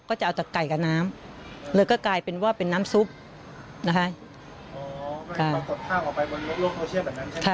ก็จะเอาแต่ไก่กับน้ำเลยก็กลายเป็นว่าเป็นน้ำซุปนะคะ